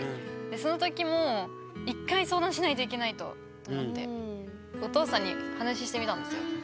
でその時も１回相談しないといけないとと思ってお父さんに話してみたんですよ。